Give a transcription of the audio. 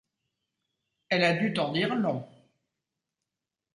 Elle a dû t’en dire long.